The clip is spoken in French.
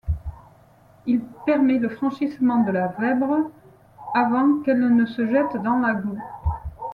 Il permet le franchissement de la Vèbre avant qu'elle ne se jette dans l'Agout.